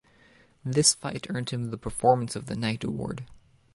This fight earned him the "Performance of the Night" award.